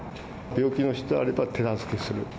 病気の人がいれば手助けする。